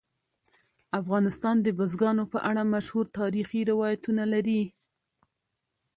افغانستان د بزګانو په اړه مشهور تاریخي روایتونه لري.